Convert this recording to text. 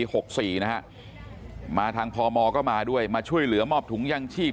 หกสี่นะฮะมาทางพมก็มาด้วยมาช่วยเหลือมอบถุงยังชีพ